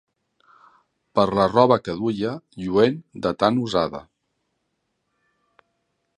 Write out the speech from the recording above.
Per la roba que duia, lluent de tan usada